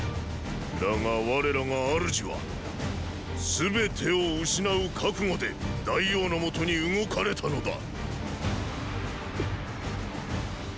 だが我らが主は全てを失う覚悟で大王の下に動かれたのだ。